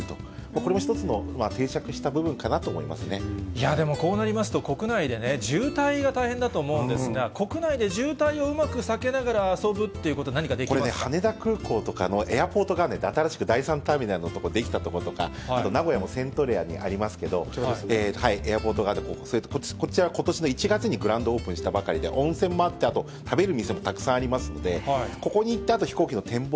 これも一つのでもこうなりますと、国内で渋滞が大変だと思うんですが、国内で渋滞をうまく避けながら遊これ、羽田空港とかのエアポートガーデンって、新しく第３ターミナルに出来たとことか、名古屋もセントレアありますけど、こちら、ことしの１月にグランドオープンしたばかりで、温泉もあって、あと食べる店もたくさんありますので、ここに行って、あと飛行機の展望